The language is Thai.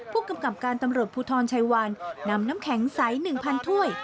ผู้กำกับการตำรวจภูทรชัยวันนำน้ำแข็งใส๑๐๐ถ้วย